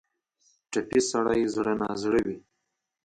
ټپي سړی زړه نا زړه وي.